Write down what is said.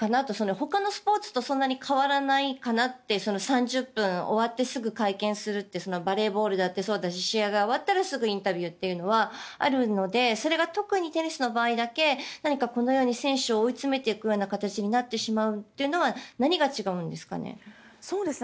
ほかのスポーツとそんなに変わらないかなと３０分、終わってすぐ会見するってバレーボールだってそうだし試合が終わったらすぐにインタビューというのがあるのでそれが特にテニスの場合だけこのように選手を追い詰めていくような形になってしまうというのは何が違うんですかね？